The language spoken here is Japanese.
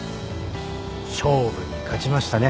勝負に勝ちましたね。